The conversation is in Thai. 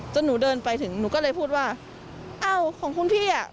หนูเดินไปถึงหนูก็เลยพูดว่าอ้าวของคุณพี่อ่ะ